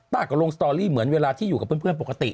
ก็ลงสตอรี่เหมือนเวลาที่อยู่กับเพื่อนปกติ